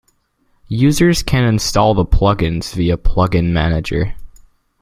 Users can install the plugins via Plugin Manager.